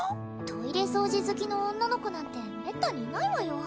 トイレ掃除好きの女の子なんてめったにいないわよ